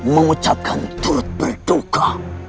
memucapkan turut berduka